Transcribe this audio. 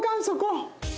そこ。